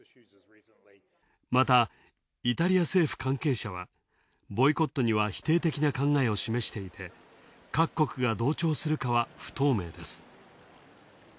また、イタリア政府関係者はボイコットには否定的な考えを示していて、各国が同調するかは不透明です。